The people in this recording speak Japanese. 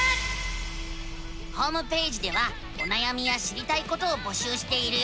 ホームページではおなやみや知りたいことを募集しているよ。